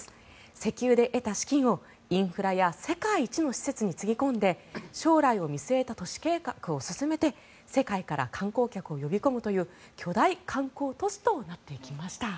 石油で得た資金を、インフラや世界一の施設につぎ込んで将来を見据えた都市計画を進めて世界から観光客を呼び込むという巨大観光都市となっていきました。